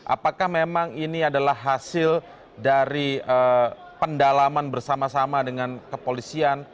apakah memang ini adalah hasil dari pendalaman bersama sama dengan kepolisian